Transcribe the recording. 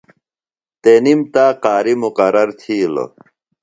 تنِم تا قاری مُقرر تِھیلوۡ۔